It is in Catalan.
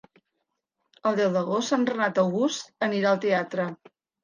El deu d'agost en Renat August anirà al teatre.